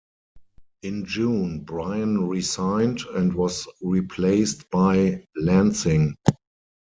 In June Bryan resigned and was replaced by Lansing.